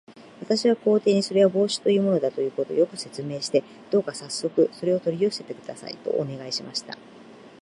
私は皇帝に、それは帽子というものだということを、よく説明して、どうかさっそくそれを取り寄せてください、とお願いしました。